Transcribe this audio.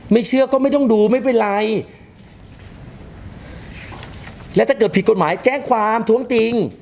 เชื่อก็ไม่ต้องดูไม่เป็นไรและถ้าเกิดผิดกฎหมายแจ้งความท้วงติง